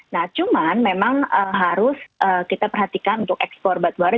nah cuman memang harus kita perhatikan untuk ekspor batubara